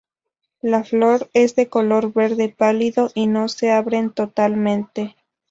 La flor es de color verde pálido y no se abren totalmente.